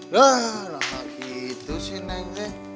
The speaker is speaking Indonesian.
wah enak gitu sih neng